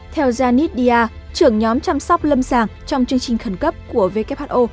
theo janice dia trưởng nhóm chăm sóc lâm sàng trong chương trình khẩn cấp của who